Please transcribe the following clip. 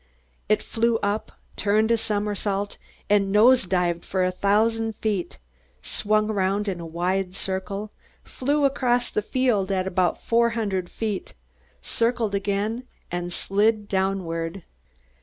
It flew up, turned a somersault and nose dived for a thousand feet, swung around in a wide circle, flew across the field at about four hundred feet, circled again and slid downward.